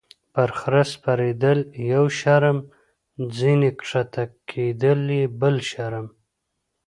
- پر خره سپرېدل یو شرم، ځینې کښته کېدل یې بل شرم.